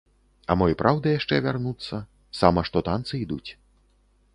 А мо і праўда яшчэ вярнуцца, сама што танцы ідуць.